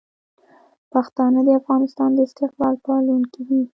پښتانه د افغانستان د استقلال پالونکي دي.